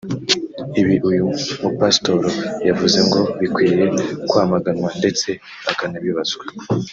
Ibi uyu mupasitori yavuze ngo bikwiye kwamaganwa ndetse akanabibazwa